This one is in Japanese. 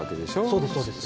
そうです、そうです。